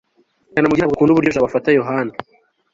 kanamugire ntabwo akunda uburyo jabo afata yohana